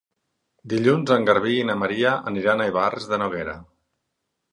Dilluns en Garbí i na Maria aniran a Ivars de Noguera.